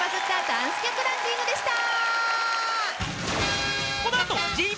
ダンス曲ランキング」でした。